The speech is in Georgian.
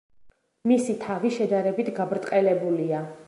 მისი თავი შედარებით გაბრტყელებულია.